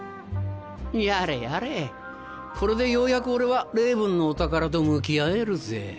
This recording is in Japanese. やれやれこれでようやく俺はレイブンのお宝と向き合えるぜ。